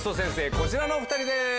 こちらのお２人です。